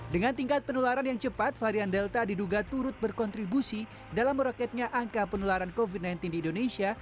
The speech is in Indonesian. dengan tingkat penularan yang cepat varian delta diduga turut berkontribusi dalam meroketnya angka penularan covid sembilan belas di indonesia